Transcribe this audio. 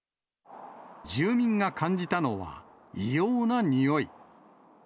住民が感じたのは、異様な臭い。